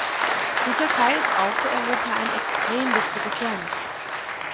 Die Türkei ist auch für Europa ein extrem wichtiges Land.